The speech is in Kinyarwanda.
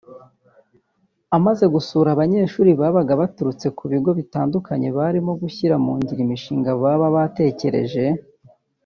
Amaze gusura abanyeshuri babaga baturutse ku bigo bitandukanye barimo gushyira mu ngiro imishinga baba baratekereje